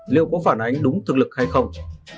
liệu có phản ánh đúng thực lực hay không